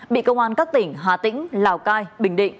bị công an các tỉnh hà tĩnh lào cai bình định